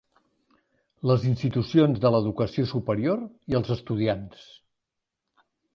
Les institucions de l'educació superior i els estudiants